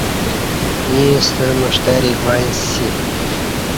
ییں ستہ نوشتیریک وعݩیسی